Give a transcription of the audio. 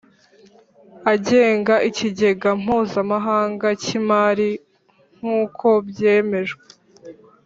agenga Ikigega Mpuzamahanga cy Imari nk uko byemejwe